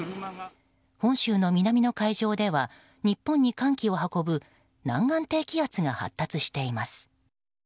本州の南の海上では日本に寒気を運ぶ南岸低気圧が発達しています。